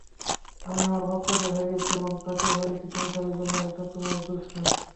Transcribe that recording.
আমি আমার বাচ্চাদের হারিয়েছি এবং তাকেও হারিয়েছি ক্যান্সারের জন্য এটা তোমার দোষ নয়।